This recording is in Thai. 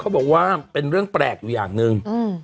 เขาบอกว่าเป็นเรื่องแปลกอยู่อย่างนึงอืม